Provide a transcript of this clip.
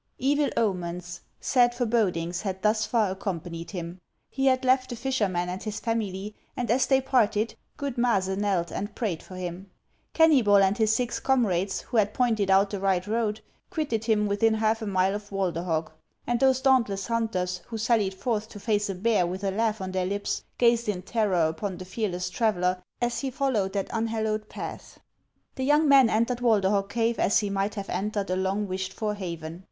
Evil omens, sad forebodings, had thus far accompanied him. He had left the fisherman and his family, and as they parted, good Maase knelt and prayed for him. Kennybol and his six comrades, who had pointed out the right road, quitted him within half a mile of Walder bos:, and those dauntless hunters who sallied forth to O' face a bear with a laugh on their lips, gazed in terror upon the fearless traveller as he followed that unhallowed path. The young man entered Walderhog cave as he might have entered a long wished for haven.